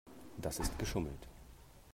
Das ist geschummelt.